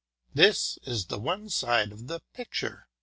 This is one side of the picture.